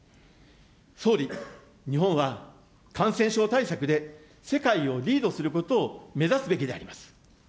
総理、日本は感染症対策で世界をリードすることを目指すべきであります。